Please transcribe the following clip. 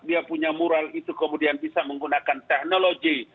dia punya mural itu kemudian bisa menggunakan teknologi